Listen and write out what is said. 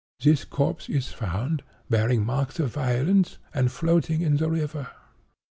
This corpse is found, bearing marks of violence, and floating in the river.